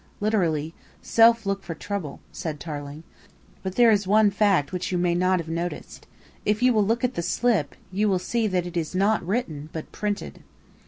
'" "Literally, 'self look for trouble,'" said Tarling. "But there is one fact which you may not have noticed. If you will look at the slip, you will see that it is not written but printed."